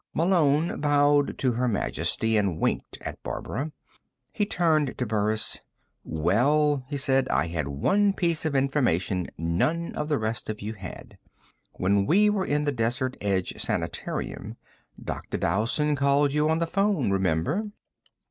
Malone bowed to Her Majesty, and winked at Barbara. He turned to Burris. "Well," he said, "I had one piece of information none of the rest of you had. When we were in the Desert Edge Sanitarium, Dr. Dowson called you on the phone. Remember?"